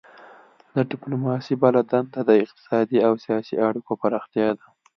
د ډیپلوماسي بله دنده د اقتصادي او سیاسي اړیکو پراختیا ده